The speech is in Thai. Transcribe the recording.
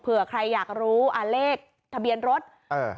เผื่อใครอยากรู้อ่าเลขทะเบียนรถอ่า